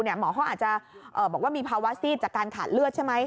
หมอเขาอาจจะบอกว่ามีภาวะซีดจากการขาดเลือดใช่ไหม